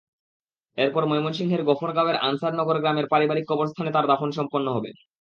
এরপর ময়মনসিংহের গফরগাঁওয়ের আনছার নগর গ্রামের পারিবারিক কবরস্থানে তাঁর দাফন সম্পন্ন হবে।